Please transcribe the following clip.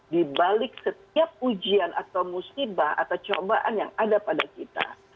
di balik setiap ujian atau musibah atau cobaan yang ada pada kita